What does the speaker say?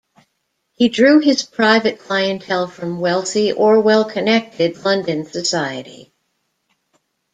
He drew his private clientele from wealthy or well-connected London society.